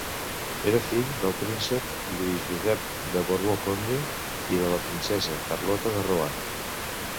Era fill del príncep Lluís Josep de Borbó-Condé i de la princesa Carlota de Rohan.